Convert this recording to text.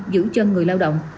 giữ chân người lao động